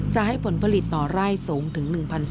จะให้ผลผลิตต่อไร่สูงถึง๑๔๐